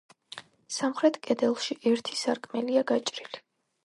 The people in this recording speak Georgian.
სამხრეთ კედელში ერთი სარკმელია გაჭრილი.